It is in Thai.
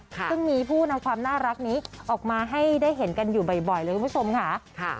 ซึ่งมีผู้นำความน่ารักนี้ออกมาให้ได้เห็นกันอยู่บ่อยเลยคุณผู้ชมค่ะ